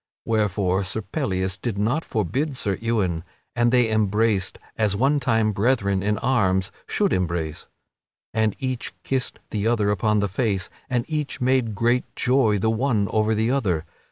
Wherefore Sir Pellias did not forbid Sir Ewain, and they embraced, as one time brethren in arms should embrace. And each kissed the other upon the face, and each made great joy the one over the other.